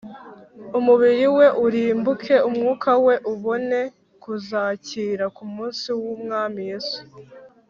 umubiri we urimbuke, umwuka we ubone kuzakira ku munsi w'Umwami Yesu